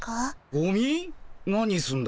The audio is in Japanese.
ゴミ？何すんだ？